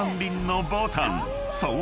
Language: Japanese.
［そう。